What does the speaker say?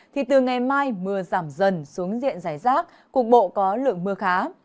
thì từ ngày mai mưa giảm dần xuống diện giải rác cục bộ có lượng mưa khá